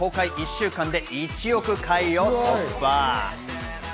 １週間で１億回を突破。